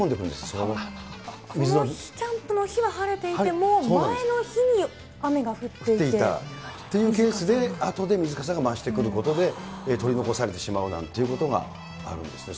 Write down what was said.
そのキャンプの日は晴れていても、というケースで、あとで水かさが増してくることで、取り残されてしまうなんてことがあるんですね。